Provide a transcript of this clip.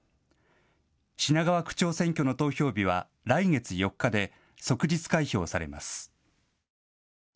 品川区長選挙の投票日は来月４日で即日開票されます。